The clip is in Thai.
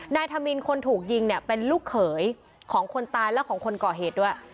ธมินคนถูกยิงเนี่ยเป็นลูกเขยของคนตายและของคนก่อเหตุด้วย